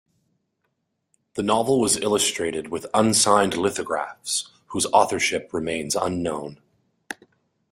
The novel was illustrated with unsigned lithographs whose authorship remains unknown.